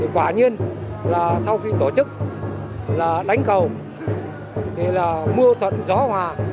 quả nhiên là sau khi tổ chức là đánh cầu thì là mưa thuận gió hòa